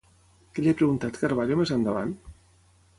Què li ha preguntat Carballo més endavant?